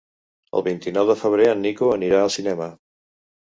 El vint-i-nou de febrer en Nico anirà al cinema.